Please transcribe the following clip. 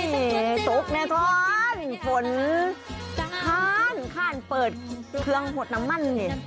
เย้ถูกแล้วท่านฝนค่านเปิดเครื่องรดน้ำมั่นเนี่ย